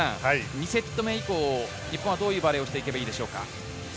２セット目以降、日本はどういうバレーをして行けばいいでしょうか？